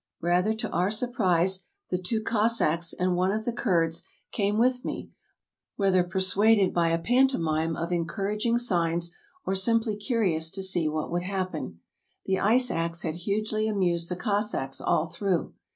Rather to our surprise, the two Cossacks and one of the Kurds came with me, whether persuaded by a pantomime of encourag ing signs, or simply curious to see what would happen. The ice ax had hugely amused the Cossacks all through.